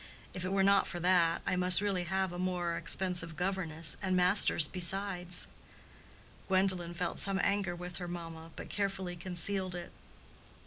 "If it were not for that, I must really have a more expensive governess, and masters besides." Gwendolen felt some anger with her mamma, but carefully concealed it.